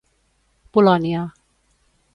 Polònia.